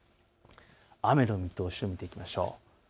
雨の見通しを見ていきましょう。